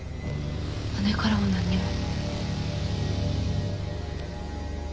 姉からは何にも。